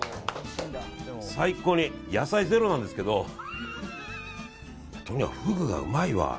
最高に野菜ゼロなんですけどとにかくフグがうまいわ。